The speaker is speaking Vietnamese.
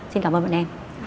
xin cảm ơn bạn em